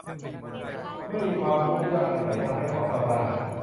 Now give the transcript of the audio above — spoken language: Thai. ไม่มีความทุกข์ยากอันไหนทำให้เขาเศร้าได้